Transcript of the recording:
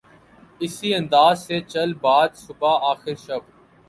اسی انداز سے چل باد صبا آخر شب